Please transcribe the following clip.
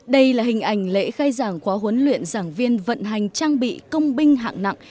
đây là hình ảnh lễ khai giảng khóa huấn luyện giảng viên vận hành trang bị công binh hạng nặng